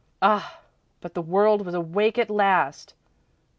Ah, but the world was awake at last!